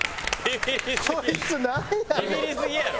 ビビりすぎやろ！